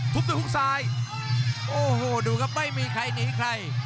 ด้วยฮุกซ้ายโอ้โหดูครับไม่มีใครหนีใคร